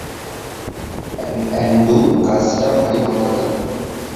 Andrew, কাজটা ভারি মজাদার।